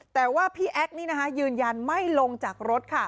แต่ว่าพี่แอ๊กนี่นะคะยืนยันไม่ลงจากรถค่ะ